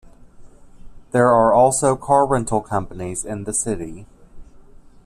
There are also car rental companies in the city.